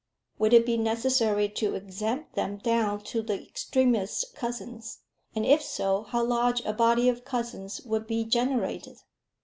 Would it be necessary to exempt them down to the extremest cousins; and if so, how large a body of cousins would be generated!